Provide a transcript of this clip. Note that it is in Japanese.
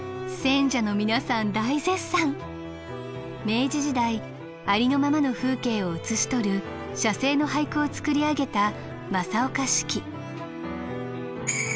明治時代ありのままの風景を写し取る「写生」の俳句を作り上げた正岡子規。